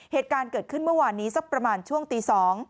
เหตุการณ์เกิดขึ้นเมื่อวานนี้สักประมาณช่วงตี๒